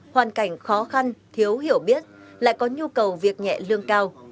hoàn cảnh khó khăn thiếu hiểu biết lại có nhu cầu việc nhẹ lương cao